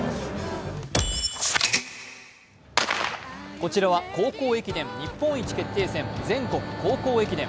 こちらは高校駅伝日本一決定戦全国高校駅伝。